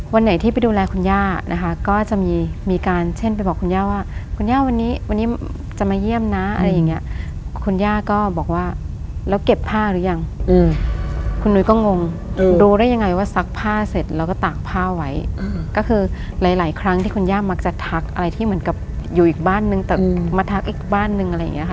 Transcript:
ไหนที่ไปดูแลคุณย่านะคะก็จะมีการเช่นไปบอกคุณย่าว่าคุณย่าวันนี้วันนี้จะมาเยี่ยมนะอะไรอย่างเงี้ยคุณย่าก็บอกว่าแล้วเก็บผ้าหรือยังคุณนุ้ยก็งงรู้ได้ยังไงว่าซักผ้าเสร็จแล้วก็ตากผ้าไว้ก็คือหลายหลายครั้งที่คุณย่ามักจะทักอะไรที่เหมือนกับอยู่อีกบ้านนึงแต่มาทักอีกบ้านนึงอะไรอย่างเงี้ค่ะ